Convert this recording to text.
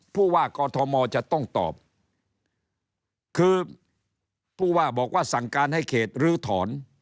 ผู้ว่ากอทมจะต้องตอบคือผู้ว่าบอกว่าสั่งการให้เขตลื้อถอน